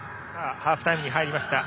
ハーフタイムに入りました。